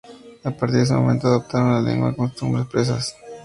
A partir de ese momento adoptaron la lengua y las costumbres persas.